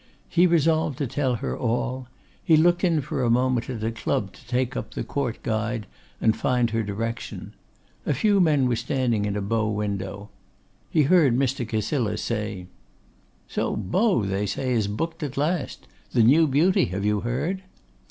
He resolved to tell her all. He looked in for a moment at a club to take up the 'Court Guide' and find her direction. A few men were standing in a bow window. He heard Mr. Cassilis say, 'So Beau, they say, is booked at last; the new beauty, have you heard?